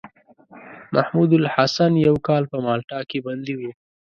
محمودالحسن يو کال په مالټا کې بندي وو.